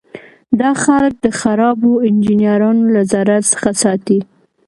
دا خلک د خرابو انجینرانو له ضرر څخه ساتي.